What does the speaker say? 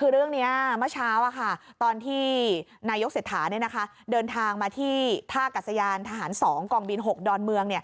คือเรื่องนี้เมื่อเช้าตอนที่นายกเศรษฐาเดินทางมาที่ท่ากัศยานทหาร๒กองบิน๖ดอนเมือง